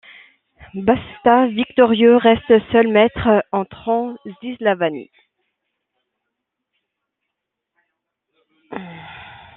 Basta victorieux reste seul maître en Transylvanie.